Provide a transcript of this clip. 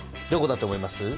どこだと思います？